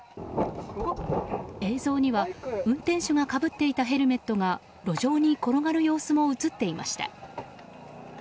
映像には運転手がかぶっていたヘルメットが路上に転がる様子も映っていました。